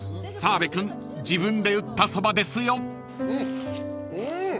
［澤部君自分で打ったそばですよ］